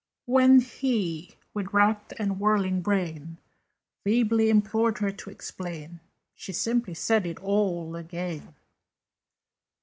When he, with racked and whirling brain, Feebly implored her to explain, She simply said it all again.